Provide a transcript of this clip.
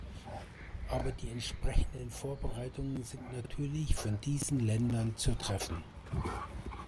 Aber die entsprechenden Vorbereitungen sind natürlich von diesen Ländern zu treffen.